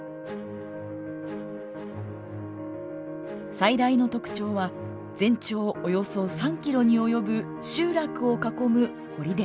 最大の特徴は全長およそ３キロに及ぶ集落を囲む濠です。